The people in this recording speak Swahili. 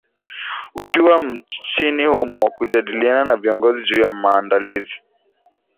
ukiwa nchini humo kujadiliana na viongozi juu ya maandalizi